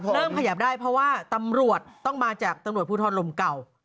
ขยับได้เพราะว่าตำรวจต้องมาจากตำรวจภูทรลมเก่า